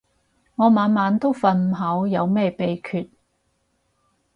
我晚晚都瞓唔好，有咩秘訣